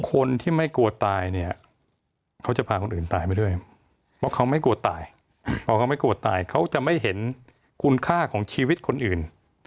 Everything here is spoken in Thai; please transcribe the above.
คนที่ไม่กลัวตายเนี่ยเขาจะพาคนอื่นตายไปด้วยเพราะเขาไม่กลัวตายพอเขาไม่กลัวตายเขาจะไม่เห็นคุณค่าของชีวิตคนอื่น